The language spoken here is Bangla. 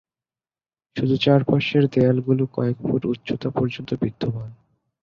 শুধু চারপাশের দেয়ালগুলো কয়েক ফুট উচ্চতা পর্যন্ত বিদ্যমান।